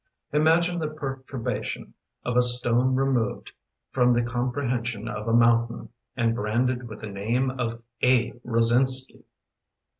Imagine the perturbation Of a stone removed From the comprehension of a mountain And branded with the name of A. Rozinsky!